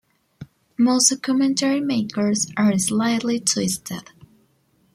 Most documentary makers are slightly twisted.